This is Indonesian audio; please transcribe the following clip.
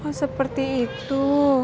oh seperti itu